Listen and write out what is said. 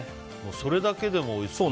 それだけでもおいしそう。